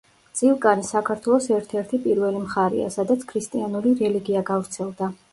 წილკანი საქართველოს ერთ-ერთი პირველი მხარეა, სადაც ქრისტიანული რელიგია გავრცელდა.